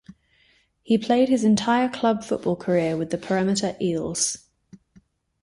He played his entire club football career with the Parramatta Eels.